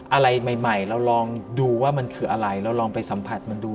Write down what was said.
อะไรใหม่เราลองดูว่ามันคืออะไรเราลองไปสัมผัสมันดู